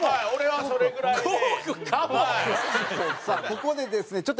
さあここでですね